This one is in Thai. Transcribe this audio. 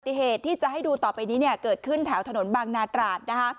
ปฏิเหตุที่จะให้ดูต่อไปนี้เกิดขึ้นแถวถนนบังนาตราช